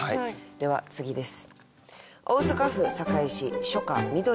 では次です。